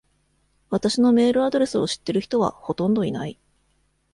私のメールアドレスを知ってる人はほとんどいない。